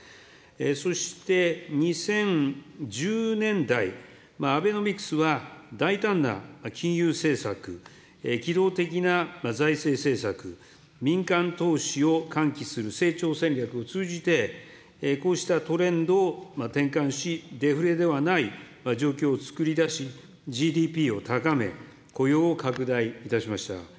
そして２０１０年代、アベノミクスは大胆な金融政策、機動的な財政政策、民間投資を喚起する成長戦略を通じて、こうしたトレンドを転換し、デフレではない状況をつくりだし、ＧＤＰを高め、雇用を拡大いたしました。